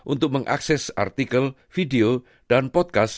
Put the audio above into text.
untuk mengakses artikel video dan podcast